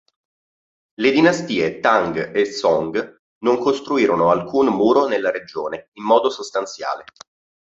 Le dinastie Tang e Song non costruirono alcun muro nella regione, in modo sostanziale.